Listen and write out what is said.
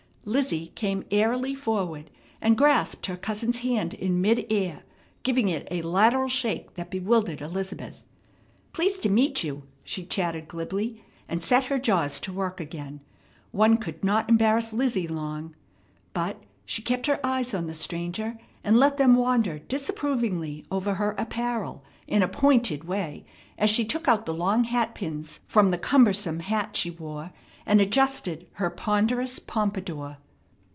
Lizzie came airily forward, and grasped her cousin's hand in mid air, giving it a lateral shake that bewildered Elizabeth. "Pleased to meet you," she chattered glibly, and set her jaws to work again. One could not embarrass Lizzie long. But she kept her eyes on the stranger, and let them wander disapprovingly over her apparel in a pointed way as she took out the long hat pins from the cumbersome hat she wore and adjusted her ponderous pompadour.